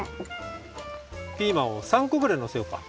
ピーマンを３こぐらいのせようか。